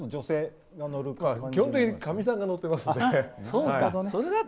基本的にかみさんが乗っています。